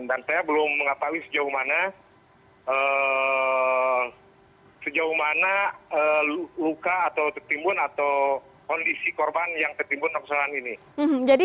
dan saya belum mengetahui sejauh mana luka atau tertimbun atau kondisi korban yang tertimbun longsoran ini